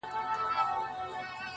نه دي زور نه دي دولت سي خلاصولای؛